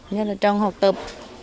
nhất là trong học tập